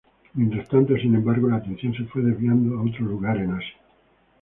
Mientras tanto, sin embargo, la atención se fue desviando a otro lugar en Asia.